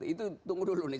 itu tunggu dulu nih